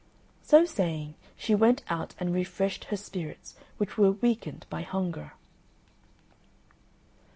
So saying, she went out and refreshed her spirits, which were weakened by hunger.